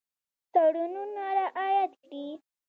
تړونونه رعایت کړي.